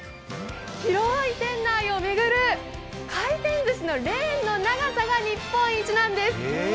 広い店内を巡る回転寿司のレーンの長さが日本一なんです。